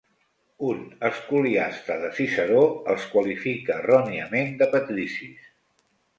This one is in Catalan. Un escoliasta de Ciceró els qualifica erròniament de patricis.